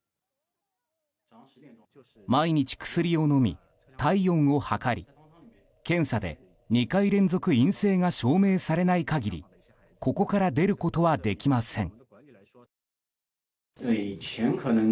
毎日、薬を飲み体温を測り検査で２回連続陰性が証明されない限りここから出ることはできません。